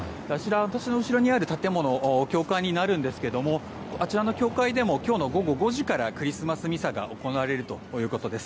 私の後ろにある建物教会になるんですけれどもあちらの教会でも今日の午後５時からクリスマスミサが行われるということです。